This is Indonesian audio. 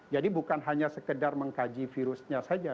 jadi bukan hanya sekedar mengkaji virusnya saja